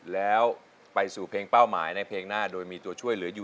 แล้วไปสู่เพลงเป้าหมายในเพลงหน้าโดยมีตัวช่วยเหลืออยู่